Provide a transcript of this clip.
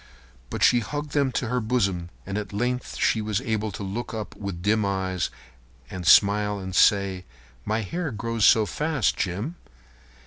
But she hugged them to her bosom, and at length she was able to look up with dim eyes and a smile and say: "My hair grows so fast, Jim!"